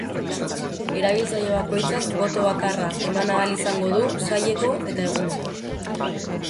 Erabiltzaile bakoitzak boto bakarra eman ahal izango du, saileko eta eguneko.